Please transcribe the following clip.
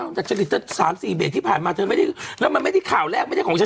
อ่าแต่เฉลี่ยเจ้าสามสี่เบสที่ผ่านมาเธอไม่ได้แล้วมันไม่ได้ข่าวแรกไม่ได้ของฉัน